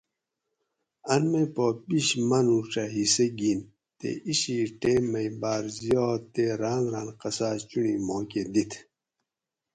ان مئ پا بیش مانو ڄہ حصہ گن تے اِچھیٹ ٹیم مئ بار ذیات تے ران ران قصا چنڑی ما کہۤ دِت